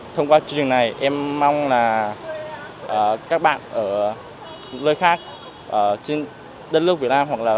thông qua chương trình này em mong là các bạn ở nơi khác trên đất nước việt nam hoặc là